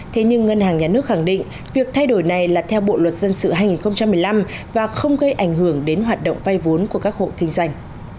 thế nhưng ngân hàng nhà nước khẳng định việc thay đổi này là theo bộ luật dân sự hai nghìn một mươi năm và không gây ảnh hưởng đến hoạt động vay vốn của các hộ kinh doanh